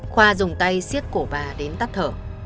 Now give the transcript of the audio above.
khoa dùng tay xiết cổ bà đến tắt thở